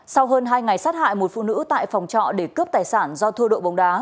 sau hơn hai ngày sát hại một phụ nữ tại phòng trọ để cướp tài sản do thua độ bóng đá